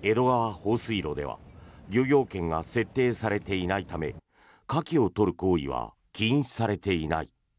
江戸川放水路では漁業権が設定されていないためカキを取る行為は禁止されていない。